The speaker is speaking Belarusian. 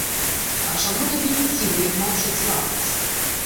А чаму табе не дзіва, як маўчыць лапаць?